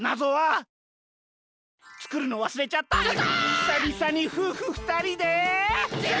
ひさびさにふうふふたりで？